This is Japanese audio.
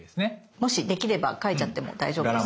もしできれば描いちゃっても大丈夫です。